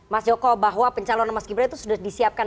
mas joko bahwa pencalonan mas gibran itu sudah disiapkan